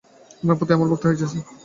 আপনার প্রতি আমার ভক্তি হইতেছে।